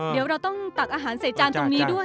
เดี๋ยวเราต้องตักอาหารใส่จานตรงนี้ด้วย